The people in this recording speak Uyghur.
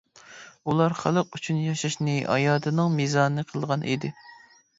ئۇلار خەلق ئۈچۈن ياشاشنى ھاياتىنىڭ مىزانى قىلغان ئىدى.